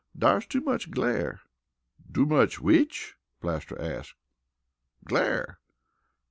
"Dar's too much glare." "Too much which?" Plaster asked. "Glare."